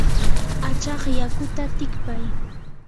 achaq yakuta tikpay.